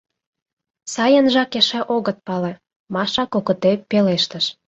— Сайынжак эше огыт пале, — Маша кокыте пелештыш.